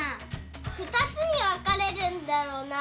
ふたつにわかれるんだろうな。